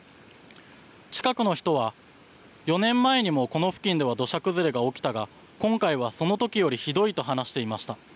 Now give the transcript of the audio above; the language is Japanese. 近くの人は、４年前にもこの付近では土砂崩れが起きたが、今回はそのときよりひどいと話していました。